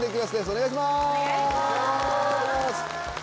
お願いします！